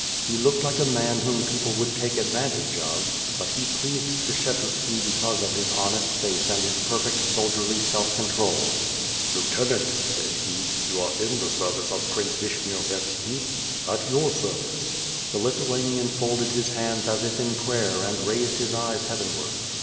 He looked like a man whom people would take anvantage of, but he pleased Skshetuski because of his honest face and his perfect soldierly self con trol, "Lieutenant," said he, "you are in the service of Prince Vishnyovyetski ?" "At your service." The Lithuanian folded his hands as if in prayer and raised his eyes heavenward.